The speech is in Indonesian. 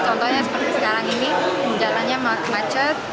contohnya seperti sekarang ini jalannya macet atau mogok karena demonstrasi